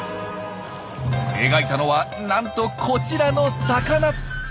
描いたのはなんとこちらの魚！